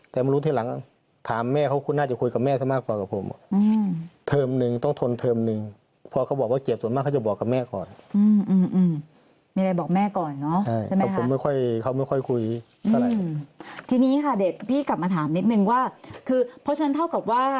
แต่ธมรู้ทีหลังถามแม่เขาก็ควรคุยกับแม่ซะมากกว่ากับผม